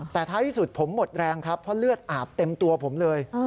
แต่ท้ายที่สุดผมหมดแรงครับเพราะเลือดอาบเต็มตัวผมเลย